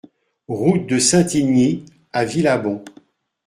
Route de Saint-Igny à Villabon